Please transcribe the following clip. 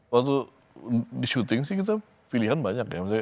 waktu di syuting sih kita pilihan banyak ya